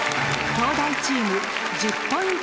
東大チーム１０ポイント